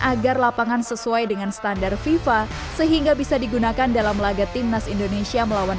agar lapangan sesuai dengan standar fifa sehingga bisa digunakan dalam laga timnas indonesia melawan